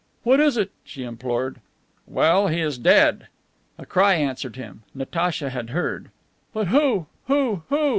"What is it?" she implored. "Well, he is dead." A cry answered him. Natacha had heard. "But who who who?"